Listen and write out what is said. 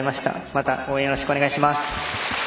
また応援よろしくお願いします。